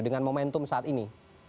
dengan momentum saat ini